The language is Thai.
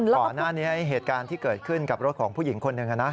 ก่อนหน้านี้เหตุการณ์ที่เกิดขึ้นกับรถของผู้หญิงคนหนึ่งนะ